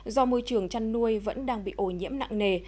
do môi trường chăn nuôi vẫn đang bị ô nhiễm nặng nề